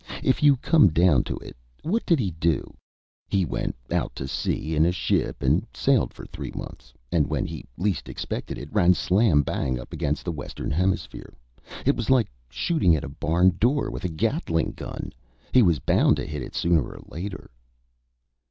If you come down to it, what did he do? He went out to sea in a ship and sailed for three months, and when he least expected it ran slam bang up against the Western Hemisphere. It was like shooting at a barn door with a Gatling gun. He was bound to hit it sooner or later."